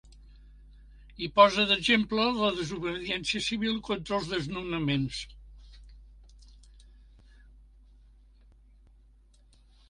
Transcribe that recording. I posa d’exemple la desobediència civil contra els desnonaments.